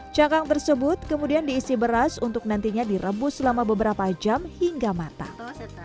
cangkang tersebut kemudian diisi beras untuk nantinya direbus selama beberapa jam hingga matang